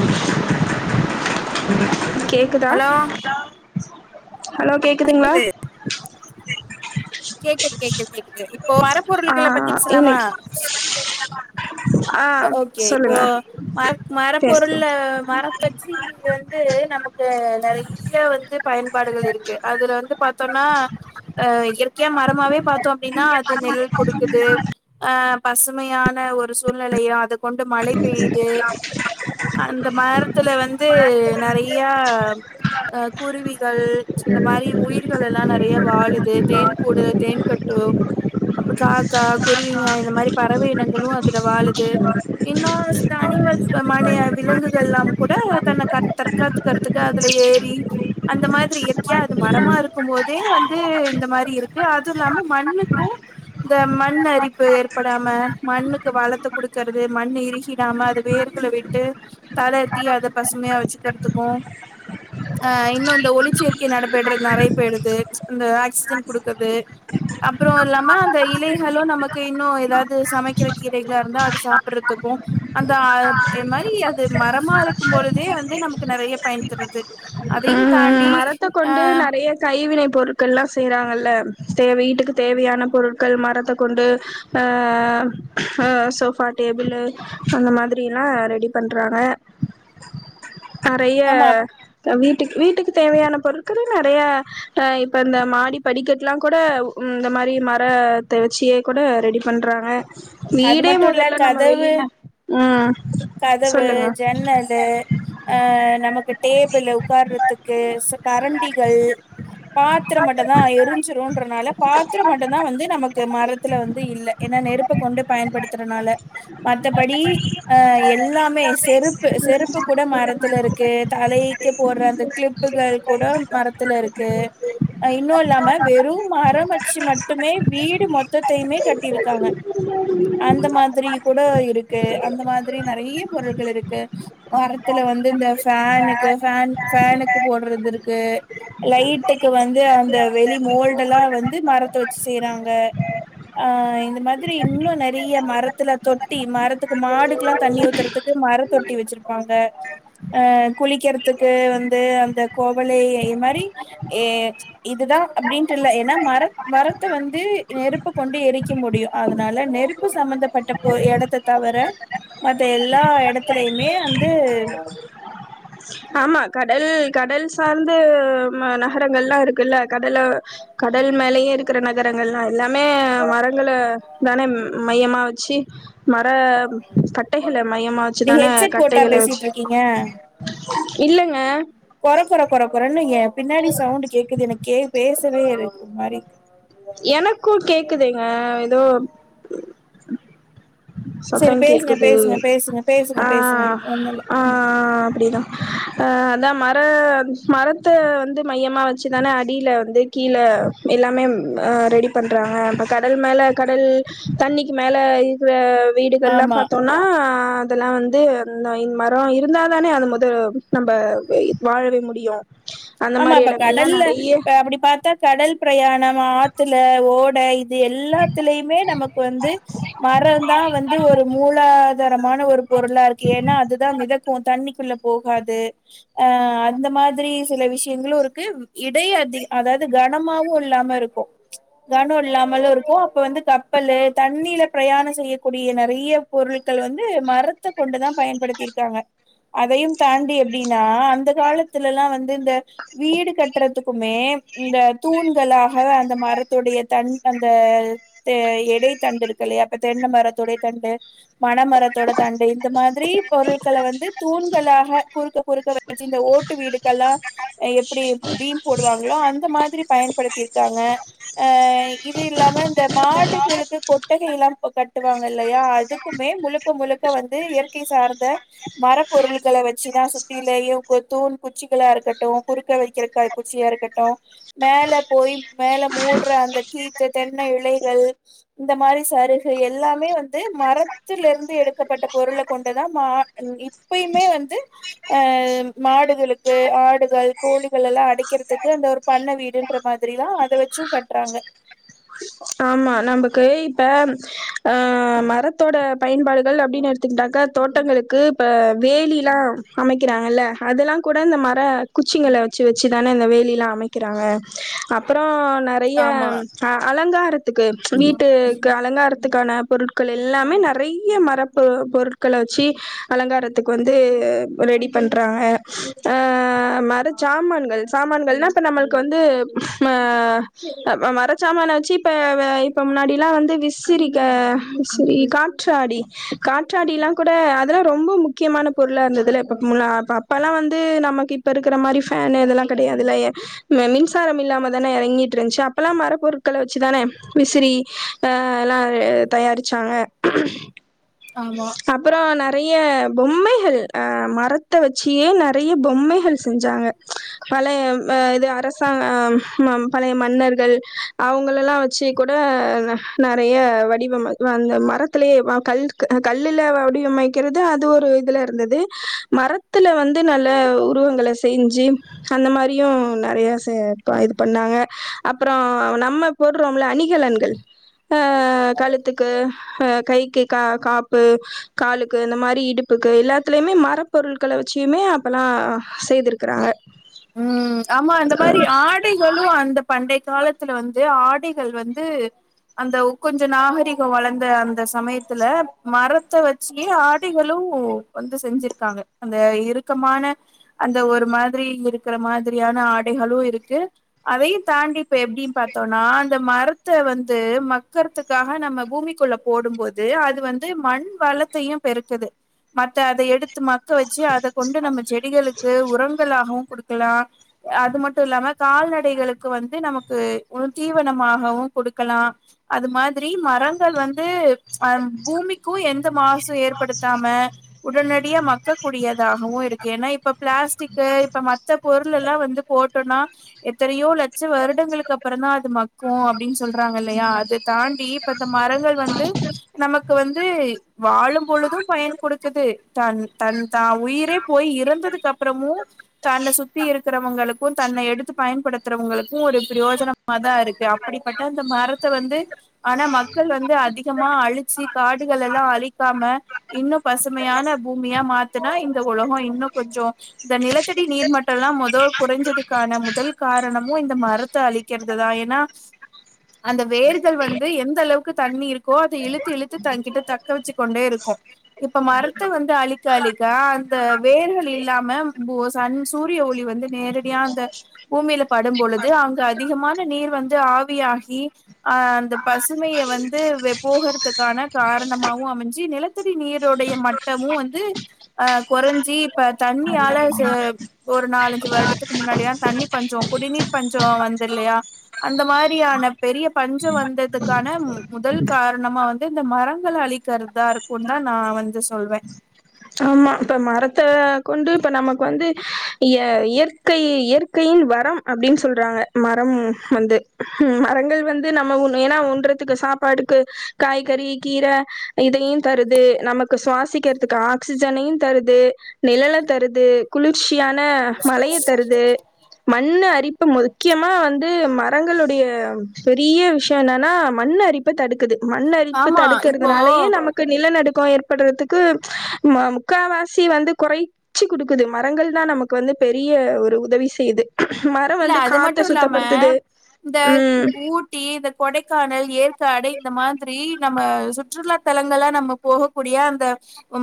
[inaudible] கேக்குதா hello hello கேட்குதுங்களா கேக்குது கேக்குது கேக்குது இப்போ வர ஆ பொருள்கள பத்தி பேசலாமா ஆஹ் சொல்லுங்க பொருள் பேசு மர பச்சு வந்து நமக்கு நெறைய வந்து பயன்பாடுகள் இருக்கு அதுல வந்து பாத்தோம்னா அஹ் இயற்கையா மரமாவே பாத்தோம் அப்படின்னா அது நெல் கொடுக்குது ஹ அ பசுமையான ஒரு சொ பண்ணலையா அதுக் கொண்டு மழை பெய்யுது அந்த மரத்துல வந்து நெறைய அஹங குருவிகள் இந்த மாரி உயிர்கள் எல்லா நெறைய வாழுது தேன் கூடு தேன் கட்டு அப்பும் காக்கா குருவிங்க இந்த மாரி பறவை இனங்களு அது இதெல்லா வந்து இன்னு சில அனிமல்ஸ்கு வன விலங்குகள் எல்லா கூட தன்ன தற்காத்துக்கிறதுக்கு அதுல ஏறி அந்த மாதிரி இயற்கையா அது மரமா இருக்கும் போதே வந்து இந்த மாரி இருக்கு அது இல்லாம மண்ணுக்கு இந்த மண் அரிப்பு ஏற்படாம மண்ணுக் பழத்த குடுக்கற் து மண்ணு இறுகிடாம அது வேர்கள விட்டு தளர்த்தி அத பசுமையா வச்சுகறத்துக்கு அஹ் இன்னு இந்த ஒளி சேர்க்கை நடைபெடுறது நெறைய பேய்டுது அந்த ஆக்சிஜன் கொடுக்குறது அப்புறோ இல்லாம அந்த இலைகளு நமக் இன்னு ஏதாவது சமைக்கிற கீரைகளா இருந்தா அது சாப்பிடுறதுக்கு அந்த அ இ மாரி அது மரமா இருக்கும்பொழுதே வந்து நமக்கு நெறைய பயன் தருது அதையும் அஹ் ஹ தாண்டி மரத்த ஆ கொண்டு நெறைய கைவின பொரு கள்லாம செய்றாங்கல்ல தேவை வீட்டுக்கு தேவையானா பொருட்கள் மரத்த கொண்டு ஆஹ் ஹ சோஃபா டேபிள் அந்த மாதிரிலா ரெடி பண்றாங்க நெறைய ஆமா இப்போ வீட்டுக்கு வீட்டுக்கு தேவையான பொருட்கள நெறையா இப்போ இந்த மாடி படிக்கட்லா கூட உ இந்த மாரி மர த வச்சே கூட ரெடி பண்றாங்க அது வீடே மட்டு இல்ல முதல்ல நம்ம கதவு வெளின உம் கதவு ஜன்னலு அஹ் நமக்கு டேபிள் உ்ககார்றதுக்கு கரண்டிகள் பாத்திர மட்டதா எரிஞ்சிருன்றனால பாத்திரம் மட்டுதா வந்து நமக்கு மரத்துல வந்து இல் ஏன்னா நெருப்ப கொண்டு பயன்படுத்துறனால மத்தபடி ஆ எல்லாமே செருப்பு செருப்பு கூட மரத்துல இருக்கு தலை போடுற அந்த கிளிப்புகள் கூட மரத்துல இருக்கு அ இன்னு இல்லாம வெறு மரம் வச்சு மட்டுமே வீ வீடு மொத்தையுமே கட்டிரு காங்க அந்த மாதிரி கூட இருக் து அந்த மா திரி நெறைய பொருட்கள் இருக்கு மரத்துல வந்து இந்த ஃபேனுக்கு ஃபேன் ஃபேன்னுக்கு போடுறது இருக்கு லைட்டுக்கு வந்து அந்த வெளி மோல்டு எல்லா வந்து மரத்த வச்சு செய்றாங்க அஹ் இந்த மாதிரி இன்னு நெறைய மரத்துல தொட்டி மரத்துக்கு மாடுக்குல்லா தண்ணி ஊத்துறதுக்கு மரத் தொட்டி வச்சிருப்பாங்க அஹ் குளிக்கிறதுக்கு வந்து அந்த கோவலைய இ மாதிரி ஏஹ் இதுதா அப்டின்ட்டு இல ஏன்னா மர மரத்த வந்து நெருப்பு கொண்டு எரிக்க முடியு அதுனால நெருப்பு சம்பந்தப்பட்ட போ எடத்த தவிர மத்த எல்லா எடத்துலயுமே வந்து ஆமா கடல் கடல் சார்ந்து ம நகரங்கள்லா இருக்குல்ல கடல கடல் மேலயையு இருக்குற நகரங்கள்லா எல்லாமே மரங்கள தானே மையமா ச்சி மர கட்டைகள மையமா நீங்க வச்சுதானே ஹெட்செட் போட்டா கட்டைகள வச்சு இல்லங்க கொற கொற கொற கொறன்னு னங்க பின்னாடி சவுண்ட் கேக்குது எனக்கு கே பேச் வே இருக்கு மாரிக்கு எனக்கு கேக்குதுங்க ஏதோ சரி சத்தம் பேசுங்க கேக்குது பேசுங்க பேசுங்க பேசுங்க பேசுங்க ஆஹ் ஒண்ணுல்ல ம் ஆஹ் அப்படிதான் அஹ் அதான் மர மரத்தை வந்து மையமா வச்சுதானே அடியில வந்து கீழே எல்லாமே ரெடி பண்றாங்க இப்ப கடல் மேல கடல் தண்ணிக்கு மேல இருக்கிற வீடுகள்லாம் ஆமா பாத்தோம்னா அதெல்லாம் வந்து இந்த மரம் இருந்தால் தானே அை முதல் நம்ம வாழவே முடியும் ஆமா இப்ப கடல்ல இ அப்படி பார்த்தா கடல் பிரயாணம் ஆற்றுல ஓடை இ இது எல்லாத்திலயுமே நமக்கு வந்து மரம் தான் வந்து ஒரு மூலாதாரமான ஒரு பொருளா இருக்கு ஏன்னா அதுதான் மித தண்ணிக்குள்ள போகாது அஹ அந்த மாதிரி சில விஷயம் எங்களு இருக்கு இடையே அதிக அதாவது கனமாவு இல்லாம இருக்கும் கனம் இல்லாமலும் இருக்கும் அப்ப வந்து கப்பலு தண்ணீல பிரயாணம் செய்யக்கூடிய நெறைய பொருட்கள் வந்து மரத்தை கொண்டு தான் பயன்படுத்தி இருக்காங்க அதையும் தாண்டி எப்டின்னா அந்த காலத்துலல்லா வந்து இந்த வீடு கட்டுறதுக்குமே இந்த தூண்களாக அந்த மரத்துடைய தண் அந்த தே எடைத்தண்டு இருக்கு இல்லையா அப்ப தென்ன மரத்துடைய தண்டு மன மரத்தோட தண்டு இந்த மாதிரி பொருட்களை வந்து தூண்களாக குறுக்க குறுக்க வச்சு இந்த ஓட்டு வீடுக் எல்லாம் எப்பிடி பீம் போடு வாங்களோ அந்த மாதிரி பயன்படுத்தியிருக்காங்க அஹ் இது இல்லாம இந்த மாடுகளுக்கு கொட்டகை எல்லாம் கட்டுவாங்க இல்லையா அதுக்குமே முழுக்க முழுக்க வந்து இயற்கை சார்ந்த மரப்பொருள்கள வச்சு தான் சுத்திலயும் கு தூண் குச்சிகளா இருக்கட்டு குறுக்க வைக்கிற க குச்சியா இருக்கட்டும் மேல போய் மேல மூடுற அந்த கீத்து தென்ன இலைகள் இந்த மாதிரி சருகு எல்லாமே வந்து மரத்துல இருந்து எடுக்கப்பட்ட பொருள கொண்டு தான் மா உம் இப்பயுமே வந்து அஹ் மாடுகளுக்கு ஆடுகள் கோழிகள் எல்லா அடைக்கிறதுக்கு அந்த ஒரு பண்ணை வீடுன்ற மாதிரி தான் அத வெச்சும் கட்டுறாங்க ஆமா நமக்கு இப்ப ஆஹ மரத்தோட பயன்பாடுகள் அப்டின்னு எடுத்துக்கிட்டாக்க தோட்டங்களுக்கு இப்ப வேலி எல்லாம் அமைக்கிறாங்கல்ல அதெல்லாம் கூட இந்த மர குச்சிங்கள வச்சு வச்சு தானே இந்த வேலி எல்லாம் அமைக்கிறாங்க அப்பறோ நெறைய ஆமா ம் அ அலங்காரத் த்துக்கு வீட்டுக்கு அலங்காரத் த்துக்கான பொருட்கள் எல்லாமே நெறைய மர பொரு பொருட்கள வச்சி அலங்காரத்துக்கு வந்து ரெடி பண்றாங்க ஆஹ மர சாமான்கள் சாமான்கள்னா இப்ப நம்மள்க்கு வந்து மஆ ம மர சாமான வெச்சிப் இப்ப வுஅ இப்ப முன்னாடி எல்லாம் வந்து விசிறிக்க விசிறி காற்றாடி காற்றாடி எல்லாம் கூட அதெல்லாம் ரொம்ப முக்கியமான பொருளா இருந்தது இல்ல இப்ப இப் முன்னா அப்ப அப்பெல்லாம் வந்து நமக்கு இப்ப இருக்கிற மாதிரி பேனு இதெல்லாம் கிடையாது இல்லயே மெ மின்சாரம் இல்லாமதான இறங்கிட்டு இருந்துச்சு அப்பெல்லாம் மரப்பொருட்கள வச் வச்சு தானே விசிறி அஹ எல்லாம் ஆரெத் தயாரிச்சாங்க ஆமா அப்புறோ நெற நெறைய பொம்மைகள் அஹ மரத்தை வச்சியே நெறைய பொம்மைகள் செஞ்சாங்க பழைய அ இது அரசாங்கம் மம் பழைய மன்னர்கள் அவங்க அவங்கள எல்லாம் வச்சு கூட நெறைய வடிவம வந்து மரத்திலேயே வா கல்கு அஹ் கல்லுல வ வடிவமைக்கிறது அது ஒரு இதுல இருந்தது மரத்துல வந்து நல்ல உருவங்கள செஞ்சு அன் நம் மாதிரியும் நெறையா சேப்பா இது பண்ணாங்க அப்புறோ நம்ம போடுறோம் இல்ல அணிகலன்கள் ஹ கழுத்துக்கு ஹ கைக்கு கா காப்பு காலுக்கு இந்த மாதிரி இடுப்புக்கு எல்லாத்துலயுமே மரப்ப பொருட்கள வச்சியுமே அப்பல்லாம் செய்திருக்கறாங்க உம் ஆமா அந்த மாதிரி ஆடைகளு அந்த பண்டை காலத்துல வந்து ஆடைகள் வந்து அந்த கொஞ்சோ நாகரிகோ வளர்ந்த அந்த சமயத்துல மரத்த வச்சியே ஆடைகளு வந்து செஞ்சிருக்காங்க அந்த இறுக்கமான அந்த ஒரு மாதிரி இரு இருக்கிற மாதிரியான ஆடைகளும் இருக்கு அதையும் தாண்டி இப்ப எப்டினு பாத்தோம்னா நா அந்த மரத்த வந்து மக்கரத்துகாக நம்ம பூமிக்குள்ள போடும்போது அது வந்து மண் வளத்தையும் பெருக்குது மத்த அத எடுத்து மக்க வெச்சு அதை கொண்டு நம்ம செடிகளுக்கு உரங்களாகும் க்குலாம் அது மட்டும் இல்லாம கால்நடைகளுக்கு வந்து நமக்கு உள் தீவனமாகவும் கொடுக்கலாம் அது மாதிரி மரங்கள் வந்து அஹ பூமிக்கும் எந் மாசு ஏற்படுத்தாம உடனடி மக்கக்க கூடியதாகவும் இருக்கு ஏன்னா இப்ப பிளாஸ்டிக்கு இப்ப மத் மத்த பொருள் எல்லாம் வந்து போட்டோன்னா எத்தனயோ லட்சோ வருடங்களுக்கு அப்பற தான் அது மக்கும் அப்படின்னு சொ சொல்றாங்க இல்லயா அத தாண்டி இப்ப இந்த மரங்கள் வந்து நமக்கு க்கு வந்து வாழும் பொழுதும் பயன் கொடுக்குது தன் தன் தான் உயிரே போய் இறந்ததுக்கு அப்புறமு தன்ன சுத்தி இருக்கிறவங்களுக்கும் தன்னை எடுத்து பயன்படுத்துறவங்களுக்கும் ஒரு பிரயோஜனமா தான் இருக்கு அப்படிப்பட்ட இந்த மரத்த வந்து ஆனா மக்கள் வந்து அதிகமா அழிச்சு காடுகள் எல்லாம் அழிக்காம இன்னும் பசுமையான பூமியா மாத்துனா இந்த உலகோ இன்னும் கொஞ்சோ இந்த நிலத் த்தடி நீர் மட்டோ எல்லாம் மொதோ குறைஞ்சதுக்கான முதல் காரணமும் இந்த மரத்தை அழிக்கிறது தான் ஏன்னா அந்த வேர்கள் வந்து எந்த அளவுக்கு தண்ணி இருக்கோ அதை இழுத்து இழுத்து தங்கிட்டு தக்க வச்சுக் கொண்டே இருக்கும் இப்ப மரத்தை வந்து அழிக்க அழிக்க அந்த வேர்கள் இல்லாம [unintelligible] சன் சூரிய ஒளி வந்து நேரடியா அந்த பூமியில படும்பொழுது அங்க அதிகமான நீர் வந்து ஆவியாகி அஹ் அந்த பசுமைய வந்து போகறதுக்கான காரணமாவும் அமைஞ்சு நிலத்தடி நீருடைய மட்டமும் வந்து அஹ் குறைஞ்சி இப்ப தண்ணியால சே ஒரு நாலஞ்சு வருடத்துக்கு முன்னாடினா தண்ணி பஞ்ஜோ குடிநீர் பஞ்ஜோ வந்து இல்லையா அந்த மாதிரியான பெரிய பஞ்ஜோ வந்ததுக்கான மு முதல் காரணமா வந்து இந்த மரங்கள் அழிக்கிறதா இருக்கும்ன்னு தான் நா வந்து சொல்வேன் ஆமா இப்ப மரத்த கொண்டு இப்ப நமக்கு வந்து இயற் இயற்கை இயற்கையின் வரம் அப்படின்னு சொல்றாங்க மரம் வந்து மரங்கள் வந்து நம்ம ஒன்னு ஏன்னா உன்றதுக்கு சாப்பாடுக்கு காய்கறி கீரை இதையும் தருது நமக்கு சுவாசிக்கிறதுக்கு ஆக்சிஜனையும் தருது நிழல தருது குளிர்ச்சி சியான மழைய தருது மத் மண் அரிப்பு முக்கியமா வந்து மரங்களுடைய பெரிய விஷயோ என்னன்னா மண் அரிப்ப தடுக்க மண் அரிப்பு ஆமா இப்போ தடுக்கறதுனாலயே நமக்கு நிலநடுக் கோ ஏற்படுறதுக்கு மம் முக்கா வாசி வந்து கொறைச்சி குடுக்குது மரங்கள் தா நமக்கு வந்து பெரிய ஒரு உதவி செய்யுது மரம் இல்ல வந்து அது காத்த மட்டும் இல்லாம சுத்தப்படுத்துது இந்த ம் ஊட்டி இந்த கொடைக்கானல் ஏற்க் தடை இந்த மாதிரி நம்ம சுற்றுலாத்தலங்களா நம்ம போகக்கூடிய அந்த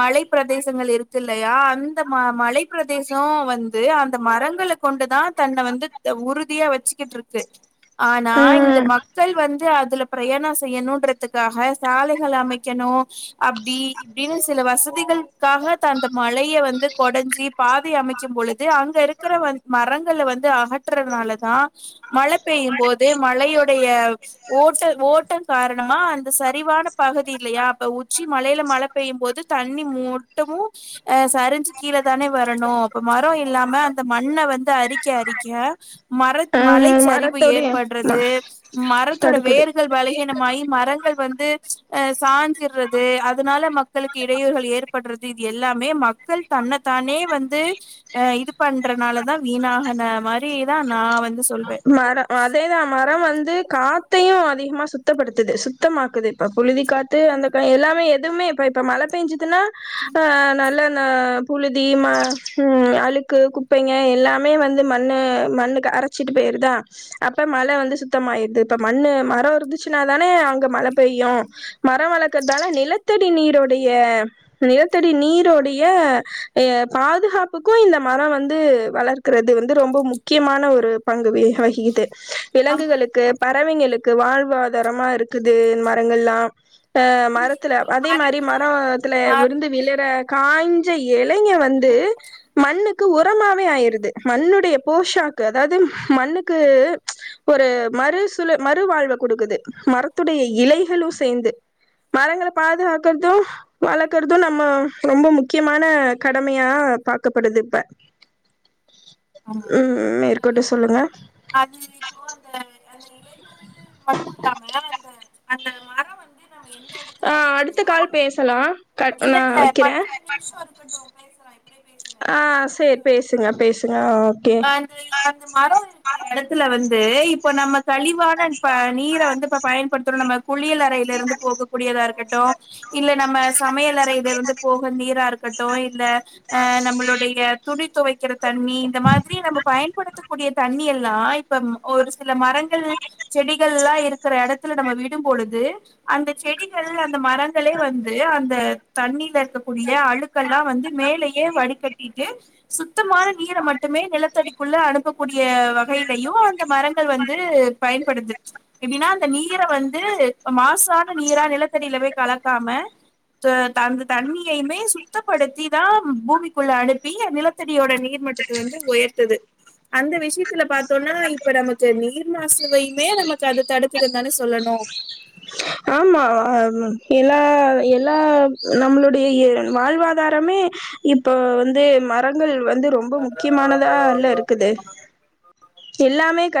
மலை பிரதேசங்கள் இருக்கில்லையா அந்த ம மலை பிரதேசோ வந்து அந்த மரங்களக்கொண்டு தா தன்ன வந்து உறுதியா வெச்சிகிட்டு இருக்கு ஆனா இந்த ம் மக்கள் வந்து அது துல பிரயணம் செய்யணுன்றதுக்காக சாலைகள் அமைக்கணு அப்டி இப்டின்னு சில வசதிகளுக்காக த அந்த மலய வந்து கொடஞ்சி பாதை அமைக்கும் பொழுது அங்க இருக்கற வந் மரங் ங்கள வந்து அகற்றனாலதா மழ பெய்யும் போது மழையுடைய ஓட்ட ஓட்டம் காரணமா அந் ந்த சரிவான பகுதி இல்லையா அப்ப உச்சி மலயில மழை பெய்யும் போது தண்ணி மொட்டமு சரிஞ்சு கீழ தானே வரணு அப்ப ம ட்டு இல்லாம அந்த மண்ண வந்து அரிக் அரிக்க அரிக்க மர ம் மலைச்சரிவு மரத்தோடைய ம ஏற்பட்றது மரத்தோட தடுக்குது வேறுகள் பலகீனமாயி மரங்கள் வந்து ஆஹ் சாஞ்சுர்ரது அதனால மக்களுக்கு இடையூறுகள் ஏற்பட்றது இது எல்லாமே மக் மக்கள் தன்னத்தானே வந்து ஆஹ் இது பண்றனாலதா வீணா ந்த மாதிரி தா நா வந் மரம் அதேதா மரம் வந்து காத் த்தையும் அதிகமா சுத்தப்படுத்துது சுத்தமாக்குது புழுதி காத்து அந்த கா எல்லாமே ப்பமே இப்ப இப்ப மழ பேஞ்சுது துனா ஆஹ் நல்ல ஆஹ் புழுதி ம உம் அழுக்கு குப்பைங்க எல்லாமே வந்து மண்ணு மண்ணுக்கு ச்சுட்டு போயிருதா அப்ப மழ வந்து சுத்தமாயிருது இப்ப மண்ணு மரோ இருந்துச்சுனா தானே அங்க மழ பெய்யும் மரம் வளர்க்கறதால நிலத்தடி நீரோடைய நிலத்தடி நீருடைய ஆஹ் பாதுகாப்புக்கும் இந்த மரோ வந்து வளர்க்கறது வந்து ரொம்ப முக்கியமான ஒரு பங்குகள வகிக்கிது ஆமா விலங்குகளுக்கு பறவைங்களுக்கு வாழ்வாதாரமா இருக்குது மரங்கள்லா ஆஹ மரத்துல அதே மாரி மரங்கள் மரத்துல மர விழுந்து விளறப்ப காய்ஞ்ச எல நீங்க வந்து மண்ணுக் க்கு உரமாவே ஆயிருது மண்ணுடைய போஷாக்கு அதாவது மண்ணுக்கு ஒரு மறுசுழ மறுவாழ்வக்கொடுக்குது மரத்துடைய இலைகளு சேந்து மரங்கள பாதுகாக்கறது வழக்கறது நம்ம ரொம்ப முக்கியமான கடமையா காக்கப்படுது இப்ப ஆமா உம் உண்மதா இருக்கட்டு [unintelligible] இப்போ சொல்லுங்க [unintelligible] து மட்டு இல்லாம இந்த அந்த மரம் வந்து நம்ம எந்த எடத்துல ஆஹ் அடுத்த இருக்குதோ கால் பேசலா கட் இல்ல நா இல்ல வெக்குற பன்னெண்டு நிமிஷோ இருக்கட்டு பேசலா இப்டியே பேசுங்க பன்னெண்டு ஆஹ் செரி நிமிடோ பேசுங்க இருக்குமே பேசுங்க ஓகே அந்த அந்த மரோ இருக்கிற இடத்துல வந்து ந்து இப்ப நமக்கு கழிவான ப நீர வந்து இப்ப பயன்படுத்றோ நம்ம குளியல் அறையில இருந்து போக கூடியதா இருக்கட்டோ இல்ல நம்ம சமையல் அறையில இருந்து போக நீரா இருக்கட் [unintelligible] இந்த ஏ நம்மளுடைய துணி துவை க்கிற தண்ணி இந்த மாதிரி நம்ம பயன்படுத்தக்கூடிய தண்ணி எல்லா இப்ப ஒரு சில மரங்கள் செடிகள் லா இருக்கிற எடத்துல நம்ம விடும்போலுது அந்த செடிகள் அந்த மரங்களே வந்து அந்த தண்ணில இருக்கக்கூடிய அழுக்கெல்லா வந்து மேலேயே வடிகட்டிட்டு சுத்தமான நீர மட் ட்டுமே நிலத்தடிக்குள்ள அனுப்பக்கூடிய வகைலயு மரங்கள் வந்து பயன்படுது எப்டின்னா அந்த நீர வந்து மாசான நீரா நிலத்தடிலவே கலக்காம அந்த த தண்ணியுமே சுத்தப்படுத்தி தா பூமிக்குள்ள அனுப்பி நிலத்தடியோட நீர் மட்டத் வந்து உயர்த்துது அந்த விஷயத்துல பாத்தோனா இப்ப நமக்கு நீர் மாசுவையுமே நமக்கு அது தடுக்குதுனுந்தானே சொல்லணு ஆமா அது எல்லா எல்லா நம்மளுடைய வாழ்வாதாரமே இப்போ வந்து மரங்கள் வந்து ரொம்ப முக்கியமானதா ல இருக்குது எல்லாமே கடக்